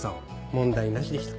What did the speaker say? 問題なしでした。